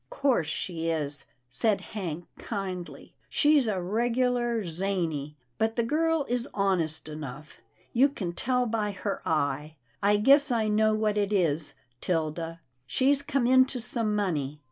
'Course she is," said Hank, kindly. " She's a regular zany, but the girl is honest enough. You can tell by her eye. I guess I know what it is, 'Tilda; she's come into some money.